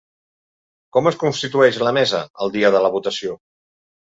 Com es constitueix la mesa el dia de la votació?